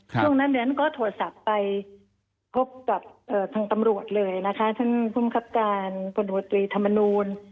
พรุ่งนั้นก็โทรศัพท์ไปพบกับทางตำรวจเลยนะคะท่านผู้คับการผลวตรีธรรมนูล